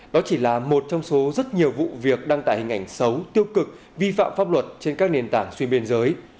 đó chỉ là một trong số rất nhiều vụ việc đăng tải hình ảnh xấu tiêu cực vi phạm pháp luật trên các nền tảng xuyên biên giới